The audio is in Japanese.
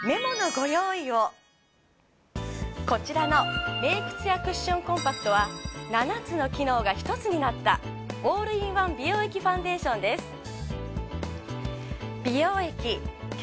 こちらのメイク艶クッションコンパクトは７つの機能が１つになったオールインワン美容液ファンデーションです。